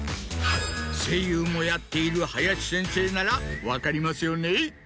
声優もやっている林先生なら分かりますよね？